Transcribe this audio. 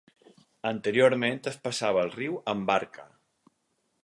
Anteriorment es passava el riu amb barca.